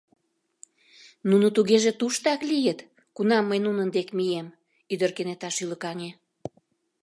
Нуно тугеже туштак лийыт, кунам мый нунын дек мием... — ӱдыр кенета шӱлыкаҥе.